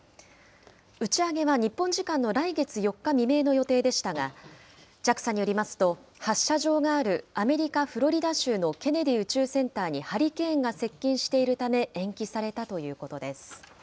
打ち上げは日本時間の来月４日未明の予定でしたが、ＪＡＸＡによりますと、発射場があるアメリカ・フロリダ州のケネディ宇宙センターにハリケーンが接近しているため、延期されたということです。